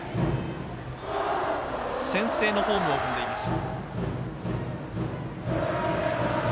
先制のホームを踏んでいます。